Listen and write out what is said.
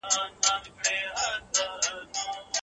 لکه شاعر د زړه په وینو مي نظمونه لیکم